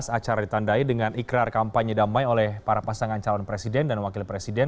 acara ditandai dengan ikrar kampanye damai oleh para pasangan calon presiden dan wakil presiden